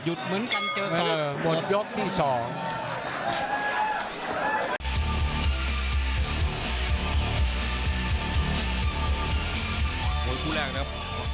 หยุดเหมือนกันเจอสอกบนยกที่สอง